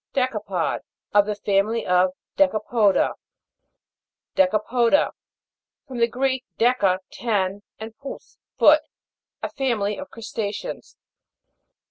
DE'CAPOD. Of the family of Deca poda. DECAFO'DA. From the Greek, deca, ten, and pous, foot. A family of Crusta'ceans.